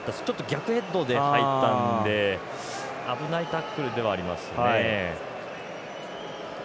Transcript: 逆ヘッドに入ったので危ないタックルではありますね。